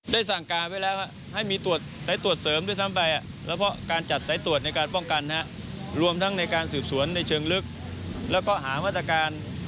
สั่งการไว้แล้วให้มีตรวจสายตรวจเสริมด้วยซ้ำไปเฉพาะการจัดสายตรวจในการป้องกันรวมทั้งในการสืบสวนในเชิงลึกแล้วก็หามาตรการ